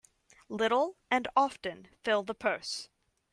Little and often fill the purse.